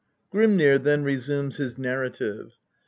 Grimnir then resumes his narrative.